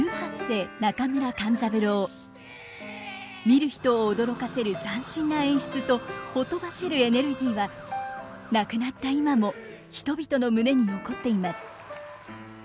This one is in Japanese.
見る人を驚かせる斬新な演出とほとばしるエネルギーは亡くなった今も人々の胸に残っています。